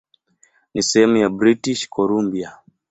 Ni sehemu ya British Columbia.